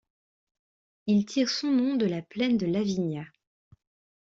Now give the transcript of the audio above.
Il tire son nom de la plaine de Lavinia.